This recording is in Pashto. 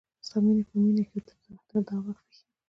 ستا په مینه کی تر دا وخت ویښ یم